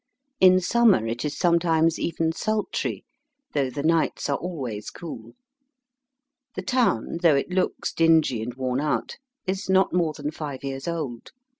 In summer it is sometimes even sultry, though the nights are always cool. The town, though it looks dingy and worn out, is not more than five years old.